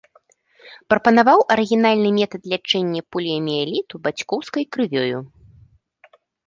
Прапанаваў арыгінальны метад лячэння поліяміэліту бацькоўскай крывёю.